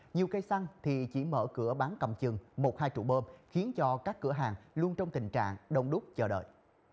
nhiều cây xăng thì chỉ mở cửa bán cầm chừng một hai trụ bơm khiến cho các cửa hàng luôn trong tình trạng đông đúc chờ đợi